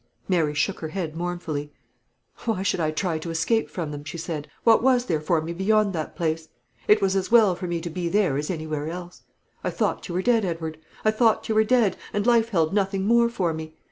Mary shook her head mournfully. "Why should I try to escape from them?" she said. "What was there for me beyond that place? It was as well for me to be there as anywhere else. I thought you were dead, Edward; I thought you were dead, and life held nothing more for me.